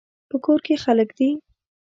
په کور کې خلک دي